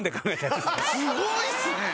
すごいっすね！